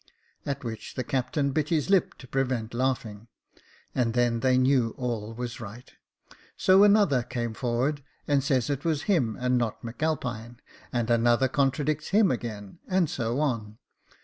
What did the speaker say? At which the captain bit his lips to prevent laughing, and then they knew all was right. So another came forward, and says it was him, and not M* Alpine; and another contradicts him again, and so on.